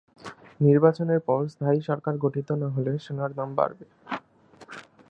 নির্বাচনের পর স্থায়ী সরকার গঠিত না হলে সোনার দাম বাড়বে।